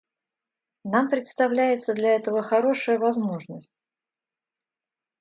Нам представляется для этого хорошая возможность.